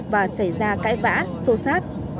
và xảy ra cãi vã sô sát